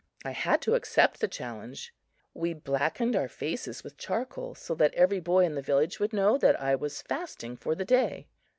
I had to accept the challenge. We blackened our faces with charcoal, so that every boy in the village would know that I was fasting for the day.